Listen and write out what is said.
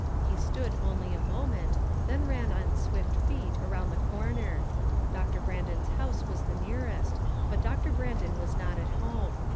He. stood only a moment, then ran on swift feet around the corner. Doctor Brandon's house was the nearest, but Doctor Brandon was not at home.